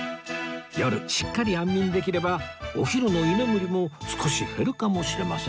夜しっかり安眠できればお昼の居眠りも少し減るかもしれませんね